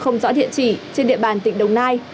không rõ địa chỉ trên địa bàn tỉnh đồng nai